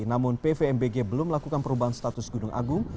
namun pvmbg belum melakukan perubahan status gunung agung